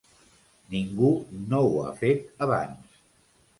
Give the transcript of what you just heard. Ningú no ho ha fet abans.